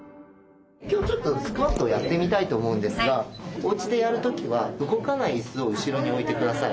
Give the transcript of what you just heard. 今日ちょっとスクワットをやってみたいと思うんですがおうちでやるときは動かない椅子を後ろに置いてください。